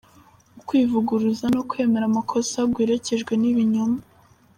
Ukwivuguruza no kwemera amakosa guherekejwe n’ibinyoma.